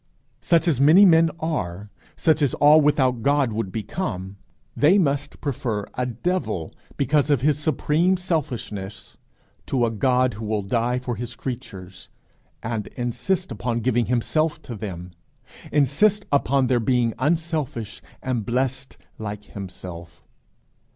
Such as many men are, such as all without God would become, they must prefer a devil, because of his supreme selfishness, to a God who will die for his creatures, and insists upon giving himself to them, insists upon their being unselfish and blessed like himself.